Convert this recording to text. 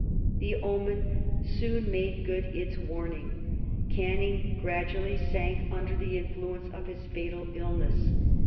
The omen soon made good its warning. Canning gradually sank under the influence of his fatal illness.